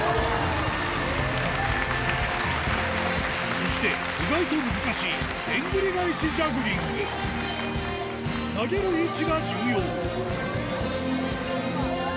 そして意外と難しいでんぐり返しジャグリング投げる位置が重要